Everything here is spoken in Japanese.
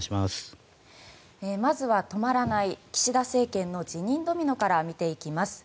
まずは止まらない岸田政権の辞任ドミノから見ていきます。